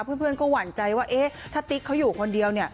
เพื่อนก็หวั่นใจว่าเอ๊ะถ้าติ๊กเขาอยู่คนเดียวเนี่ย